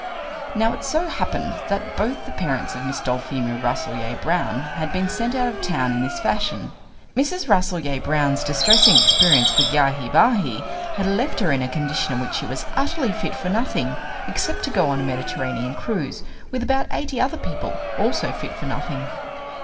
Now it so happened that both the parents of Miss Dulphemia Rasselyer Brown had been sent out of town in this fashion. Mrs. Rasselyer Brown's distressing experience with Yahi Bahi had left her in a condition in which she was utterly fit for nothing, except to go on a Mediterranean cruise, with about eighty other people also fit for nothing.